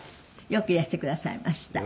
「よくいらしてくださいました」